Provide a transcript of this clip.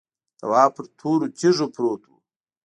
تواب پر تورو تیږو پروت و.